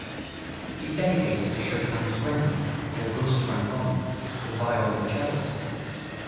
It is dedicated to Chopin's friend, August Franchomme, the violoncellist.